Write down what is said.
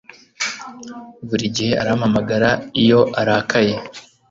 Buri gihe arampamagara iyo arakaye.